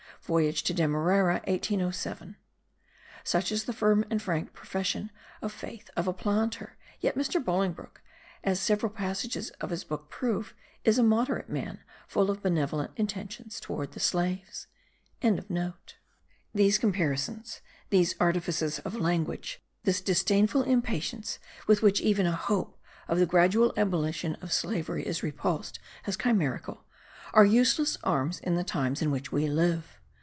Voyage to Demerara, 1807. Such is the firm and frank profession of faith of a planter; yet Mr. Bolingbroke, as several passages of his book prove, is a moderate man, full of benevolent intentions towards the slaves.) These comparisons, these artifices of language, this disdainful impatience with which even a hope of the gradual abolition of slavery is repulsed as chimerical, are useless arms in the times in which we live.